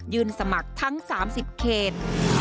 สมัครทั้ง๓๐เขต